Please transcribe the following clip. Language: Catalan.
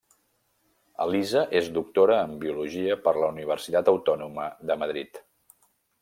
Elisa és doctora en Biologia per la Universitat Autònoma de Madrid.